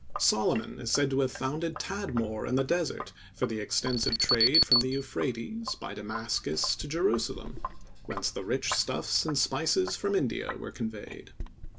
Solomon is said to have founded Tadmor in the Desert for the extensive trade from the Euphrates, by Damascus to Jerusalem, whence the rich stuffs and spices from India were conveyed.